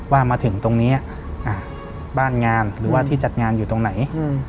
ว่ามาถึงตรงนี้บ้านงานหรือว่าที่จัดงานอยู่ตรงไหน